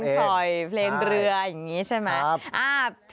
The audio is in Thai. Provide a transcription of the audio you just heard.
ถอยเพลงเรืออย่างนี้ใช่ไหม